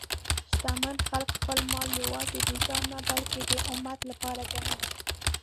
شتمن خلک خپل مال یوازې د ځان نه، بلکې د امت لپاره ګڼي.